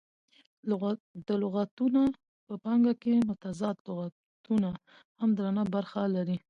د لغتونه په پانګه کښي متضاد لغتونه هم درنه برخه لري.